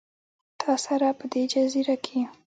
تا سره، په دې جزیره کې